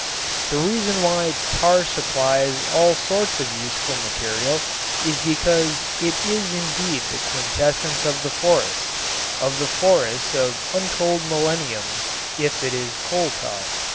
The reason why tar supplies all sorts of useful material is because it is indeed the quintessence of the forest, of the forests of untold millenniums if it is coal tar.